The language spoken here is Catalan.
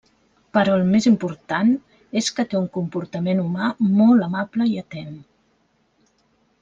Però, el més important és que té un comportament humà molt amable i atent.